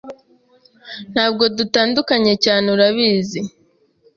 Ntabwo dutandukanye cyane, urabizi.